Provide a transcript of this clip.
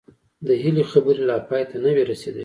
د هيلې خبرې لا پای ته نه وې رسېدلې